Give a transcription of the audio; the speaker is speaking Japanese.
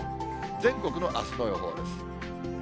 全国のあすの予報です。